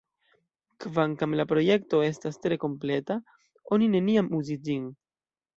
Kvankam la projekto estas tre kompleta, oni neniam uzis ĝin.